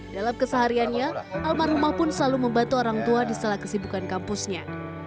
dalam kesehariannya almarhumah pun selalu membantu orang tua di salah kesibukan kampusnya